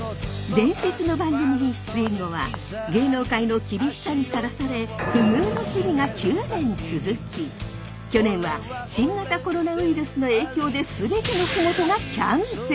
伝説の番組に出演後は芸能界の厳しさにさらされ不遇の日々が９年続き去年は新型コロナウイルスの影響で全ての仕事がキャンセル！